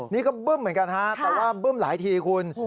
นี่ก็บึ้มเหมือนกันฮะแต่ว่าบึ้มหลายทีคุณ